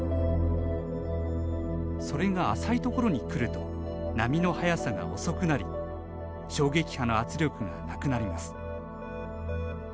それが、浅い所に来ると波の速さが遅くなり衝撃波の圧力がなくなります。